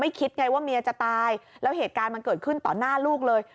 คิดไงว่าเมียจะตายแล้วเหตุการณ์มันเกิดขึ้นต่อหน้าลูกเลย